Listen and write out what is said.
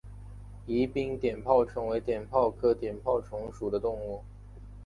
宜宾碘泡虫为碘泡科碘泡虫属的动物。